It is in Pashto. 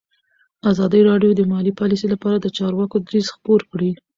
ازادي راډیو د مالي پالیسي لپاره د چارواکو دریځ خپور کړی.